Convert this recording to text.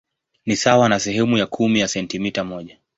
Ni sawa na sehemu ya kumi ya sentimita moja.